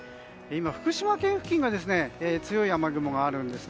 今、福島県付近に強い雨雲があるんです。